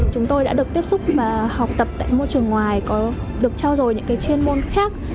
chúng tôi đã được tiếp xúc và học tập tại môi trường ngoài được trao dồi những chuyên môn khác